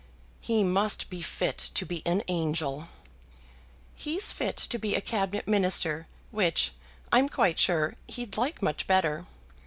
"He must be fit to be an angel." "He's fit to be a cabinet minister, which, I'm quite sure, he'd like much better.